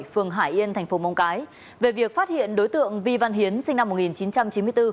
phường hải yên tp mong cái về việc phát hiện đối tượng vi văn hiến sinh năm một nghìn chín trăm chín mươi bốn